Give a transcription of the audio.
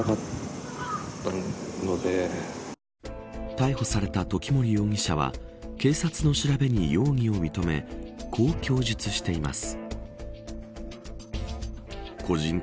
逮捕された時森容疑者は警察の調べに容疑を認めこう供述しています。